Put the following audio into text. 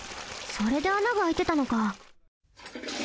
それであながあいてたのか。